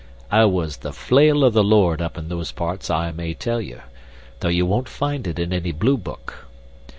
I was the flail of the Lord up in those parts, I may tell you, though you won't find it in any Blue book.